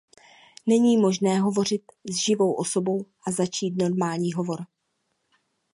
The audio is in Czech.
Není možné hovořit s živou osobou a začít normální hovor.